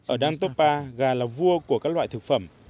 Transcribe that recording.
ở dantopa gà là vua của các loại thực phẩm